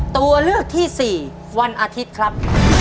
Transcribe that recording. ตัวเลือกที่๔วันอาทิตย์ครับ